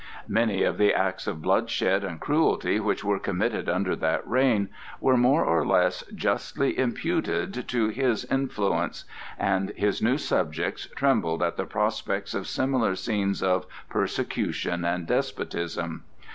Many of the acts of bloodshed and cruelty which were committed under that reign were more or less justly imputed to his influence, and his new subjects trembled at the prospects of similar scenes of persecution and despotism.